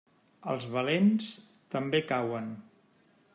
Els valents també cauen.